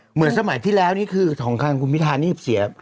เหมือนสมัยที่แล้วนี่คือของทางคุณพิธานี่เสีย